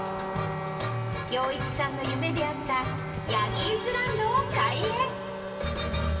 洋一さんの夢であった、ヤギーズランドを開園。